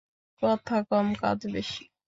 কথা কম, কাজ বেশি।